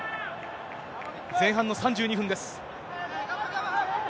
前半の３２分です。